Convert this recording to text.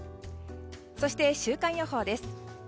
そして週間予報です。